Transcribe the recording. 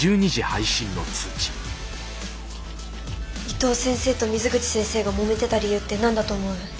伊藤先生と水口先生がもめてた理由って何だと思う？